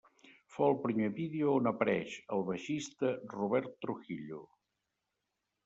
Fou el primer vídeo on apareix el baixista Robert Trujillo.